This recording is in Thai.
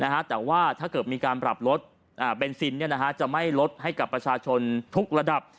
แต่ว่าถ้าเกิดมีการปรับลดเบนซินจะไม่ลดให้กับประชาชนทุกระดับ